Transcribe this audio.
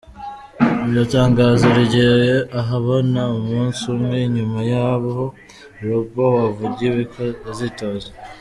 Iryo tangazo rigiye ahabona umusi umwe inyuma y'aho Robow avugiye ko azitoza.